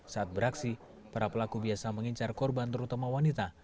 saat beraksi para pelaku biasa mengincar korban terutama wanita